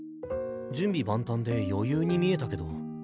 準備万端で余裕に見えたけど。